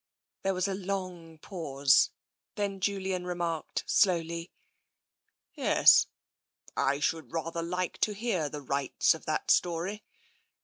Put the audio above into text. There was a long pause. Then Julian remarked slowly :" Yes — I should rather like to hear the rights of that story.